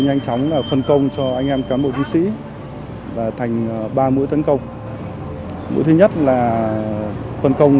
nhanh chóng phân công cho anh em cán bộ chiến sĩ thành ba mũi tấn công mũi thứ nhất là phân công